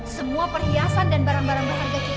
semua perhiasan dan barang barang berharga kita